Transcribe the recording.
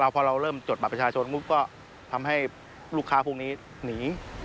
พอเราเริ่มจดบัตรประชาชนปุ๊บก็ทำให้ลูกค้าพวกนี้หนี